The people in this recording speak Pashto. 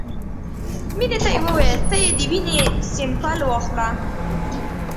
مينې ته يې وويل ته يې د وينې سېمپل واخله.